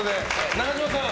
永島さん